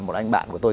một anh bạn của tôi